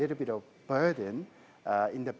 itu sedikit berat pada awal